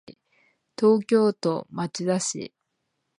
東京都町田市